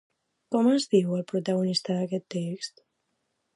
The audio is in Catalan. Com es diu el protagonista d'aquest text?